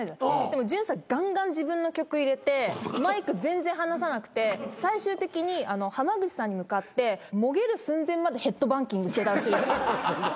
でも准さんガンガン自分の曲入れてマイク全然離さなくて最終的に濱口さんに向かってもげる寸前までヘッドバンギングしてた。